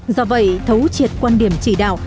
do vậy thấu triệt quan điểm chỉ đạo